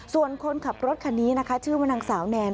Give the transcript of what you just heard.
ส่วนคนขับรถคันนี้นะคะชื่อว่านางสาวแนน